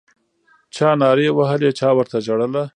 چا نارې وهلې چا ورته ژړله